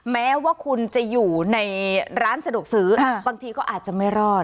แม้ว่าคุณจะอยู่ในร้านสะดวกซื้อบางทีก็อาจจะไม่รอด